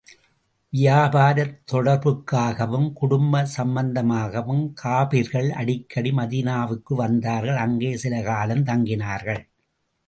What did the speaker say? வியாபாரத் தொடர்புக்காகவும், குடும்ப சம்பந்தமாகவும் காபிர்கள் அடிக்கடி மதீனாவுக்கு வந்தார்கள் அங்கே சில காலம் தங்கினார்கள்.